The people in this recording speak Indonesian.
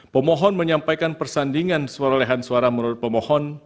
pemohon menyampaikan persandingan suarahan suara menurut pemohon